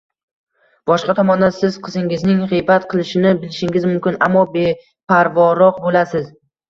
Boshqa tomondan, siz qizingizning g‘iybat qilishini bilishingiz mumkin, ammo beparvoroq bo‘lasiz.